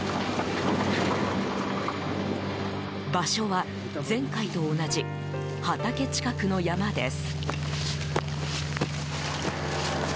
場所は、前回と同じ畑近くの山です。